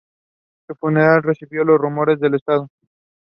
The reason was his defeat in the dispute for control of Rede Bahia.